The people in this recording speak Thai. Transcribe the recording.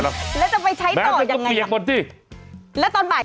แล้วจะไปใช้ต่อยังไงแล้วตอนใบ